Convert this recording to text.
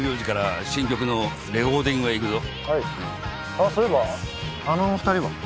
あっそういえばあの２人は？